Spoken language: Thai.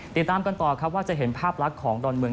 ติดตามกันต่อครับว่าจะเห็นภาพลักษณ์ของดอนเมือง